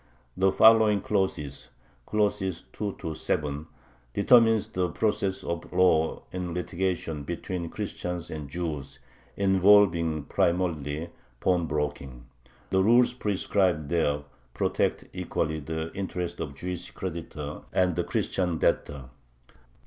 The following clauses (§§2 7) determine the process of law in litigation between Christians and Jews, involving primarily pawnbroking; the rules prescribed there protect equally the interests of the Jewish creditor and the Christian debtor.